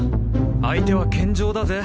相手は健丈だぜ？